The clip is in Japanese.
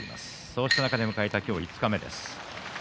そうした中で迎えた今日、五日目です。